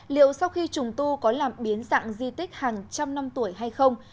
liệu sau khi trùng tu có làm biến dạng di tích hàng trăm năm tuổi hay không